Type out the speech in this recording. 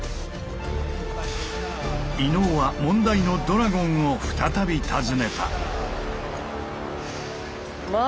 伊野尾は問題のドラゴンを再び訪ねた。